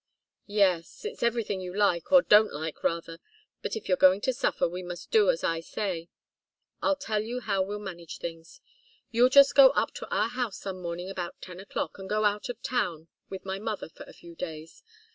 "Yes it's everything you like or don't like, rather. But if you're going to suffer, we must do as I say. I'll tell you how we'll manage it. You'll just go up to our house some morning about ten o'clock, and go out of town with my mother for a few days.